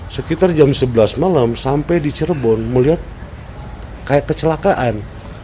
sekitar jam sebelas malam sampai di cirebon melihat kayak kecelakaan